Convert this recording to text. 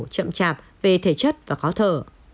chậm chạp về thể chất và khó thở